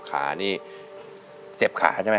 ขานี่เจ็บขาใช่ไหม